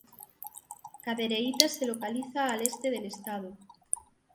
Cadereyta se localiza al este del estado.